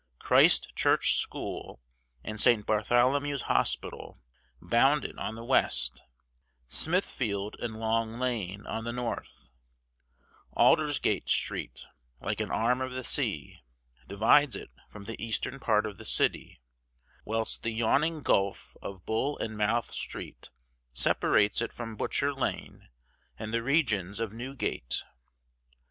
Christ Church School and St. Bartholomew's Hospital bound it on the west; Smithfield and Long Lane on the north; Aldersgate Street, like an arm of the sea, divides it from the eastern part of the city; whilst the yawning gulf of Bull and Mouth Street separates it from Butcher Lane and the regions of Newgate.